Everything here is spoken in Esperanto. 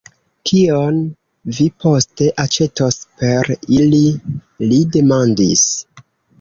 Kion vi poste aĉetos per ili? li demandis.